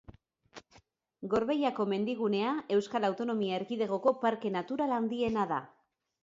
Gorbeiako mendigunea Euskal Autonomia Erkidegoko parke natural handiena da.